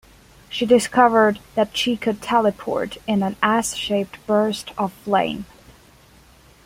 She discovered that she could teleport in an S-shaped burst of flame.